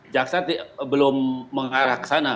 jaksa belum mengarah ke sana